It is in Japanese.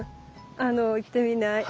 あの行ってみない？